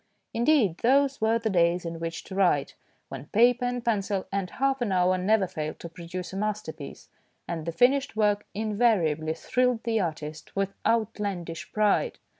Indeed, those were the days in which to write, when paper and THE PRICE OF PEACE 165 pencil and half an hour never failed to pro duce a masterpiece, and the finished work invariably thrilled the artist with " out landish pride."